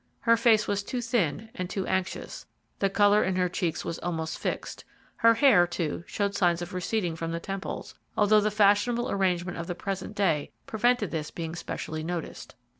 Her face was too thin and too anxious, the colour in her cheeks was almost fixed; her hair, too, showed signs of receding from the temples, although the fashionable arrangement of the present day prevented this being specially noticed.